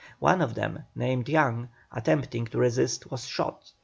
One of them, named Young, attempting to resist, was shot.